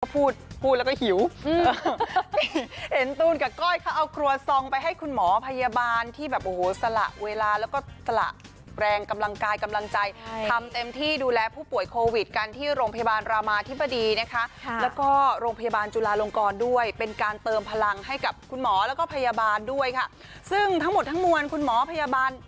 พูดพูดแล้วก็หิวเห็นตูนกับก้อยเขาเอาครัวซองไปให้คุณหมอพยาบาลที่แบบโอ้โหสละเวลาแล้วก็สละแรงกำลังกายกำลังใจทำเต็มที่ดูแลผู้ป่วยโควิดกันที่โรงพยาบาลรามาธิบดีนะคะแล้วก็โรงพยาบาลจุลาลงกรด้วยเป็นการเติมพลังให้กับคุณหมอแล้วก็พยาบาลด้วยค่ะซึ่งทั้งหมดทั้งมวลคุณหมอพยาบาล